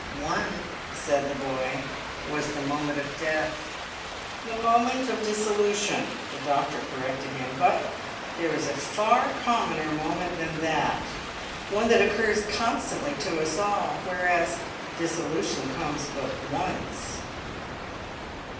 "One," said the boy, "was the moment of death." "The moment of dissolution," the doctor corrected him. "But there is a far commoner moment than that, one that occurs constantly to us all, whereas dissolution comes but once."